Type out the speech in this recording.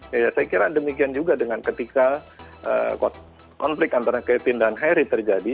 ya saya kira demikian juga dengan ketika konflik antara kevin dan harry terjadi